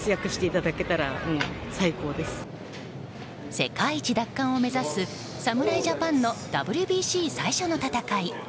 世界一奪還を目指す侍ジャパンのＷＢＣ最初の戦い。